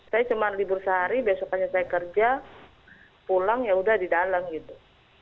saya cuma libur sehari besok aja saya kerja pulang yaudah di dalam gitu